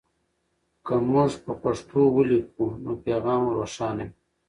که موږ په پښتو ولیکو نو پیغام مو روښانه وي.